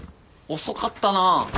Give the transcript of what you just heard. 遅かったな。